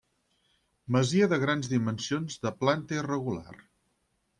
Masia de grans dimensions de planta irregular.